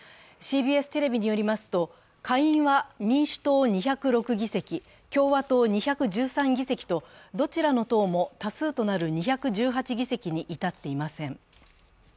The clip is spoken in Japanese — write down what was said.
ＣＢＳテレビによりますと、下院は民主党２０６議席共和党２１３議席とどちらの党も多数となる２１８議席に至っていません。